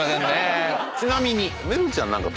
ちなみに。